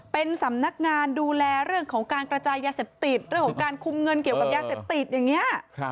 เป็นสำนักงานดูแลเรื่องของการกระจายยาเสพติดเรื่องของการคุมเงินเกี่ยวกับยาเสพติดอย่างนี้